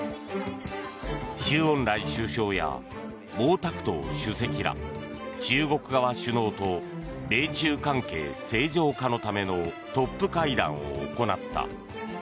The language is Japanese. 周恩来首相や毛沢東主席ら中国側首脳と米中関係正常化のためのトップ会談を行った。